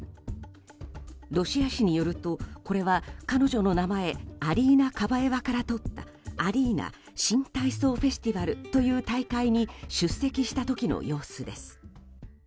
ロシア紙によるとこれは彼女の名前アリーナ・カバエワからとったアリーナ新体操フェスティバルという大会に出席した時の様子です。